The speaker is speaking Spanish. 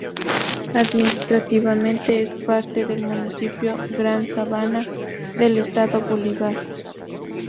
Administrativamente es parte del Municipio Gran Sabana del Estado Bolívar.